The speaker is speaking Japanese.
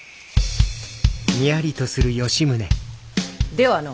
ではの！